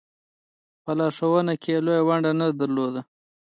په لارښوونه کې یې لویه ونډه نه درلوده.